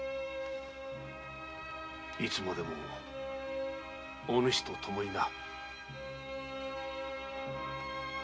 いつまでもおぬしと共にな。